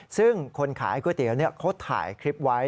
ซึ่งคนขายก๋วยเตี๋ยวเขาถ่ายคลิปไว้